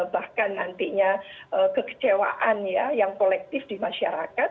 bahkan nantinya kekecewaan ya yang kolektif di masyarakat